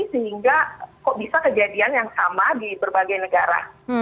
sehingga kok bisa kejadian yang sama di berbagai negara